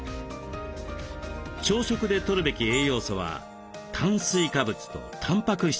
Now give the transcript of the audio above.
朝食でとるべき栄養素は炭水化物とたんぱく質です。